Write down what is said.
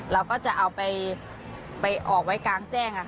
เราก็จะเอาไปออกไว้กลางแจ้ง